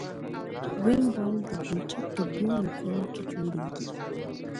وینګ وال د پلچک په دواړو خواو کې جوړیږي